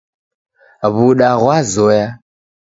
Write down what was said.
W'uda ghwazoya